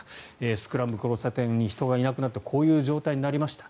スクランブル交差点に人がいなくなってこういう状態になりました。